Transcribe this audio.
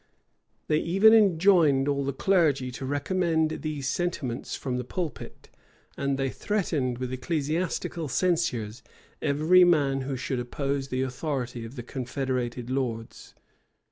They even enjoined all the clergy to recommend these sentiments from the pulpit; and they threatened with ecclesiastical censures every man who should oppose the authority of the confederated lords.